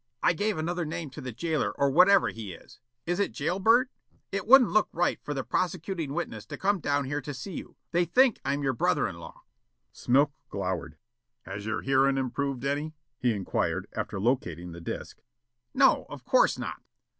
"I gave another name to the jailer or whatever he is. Is it jail bird? It wouldn't look right for the prosecuting witness to come down here to see you. They think I'm your brother in law." Smilk glowered. "Has your hearin' improved any?" he inquired, after locating the disc. "No, of course not."